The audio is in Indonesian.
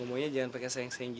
aku udah udah sabar terbang belakang